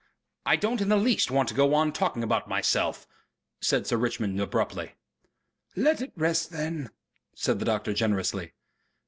"I don't in the least want to go on talking about myself," said Sir Richmond abruptly. "Let it rest then," said the doctor generously.